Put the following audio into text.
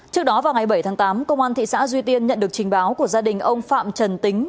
trước đó vào ngày bảy tháng tám công an thị xã duy tiên nhận được trình báo của gia đình ông phạm trần tính